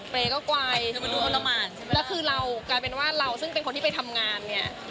เปรย์ก็กวายคือมันดูตรมานแล้วคือเรากลายเป็นว่าเราซึ่งเป็นคนที่ไปทำงานเนี้ย